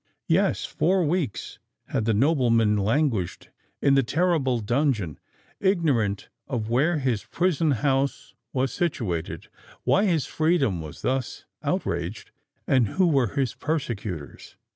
Yes—four weeks had the nobleman languished in the terrible dungeon,—ignorant of where his prison house was situated—why his freedom was thus outraged—and who were his persecutors.